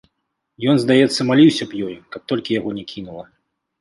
Ён, здаецца, маліўся б ёй, каб толькі яго не кінула.